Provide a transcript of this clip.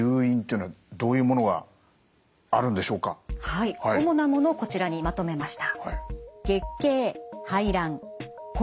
はい主なものをこちらにまとめました。